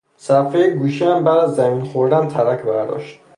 صفحه گوشیام بعد از زمین خوردن ترک برداشت